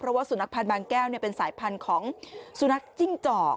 เพราะว่าสุนัขพันธ์บางแก้วเป็นสายพันธุ์ของสุนัขจิ้งจอก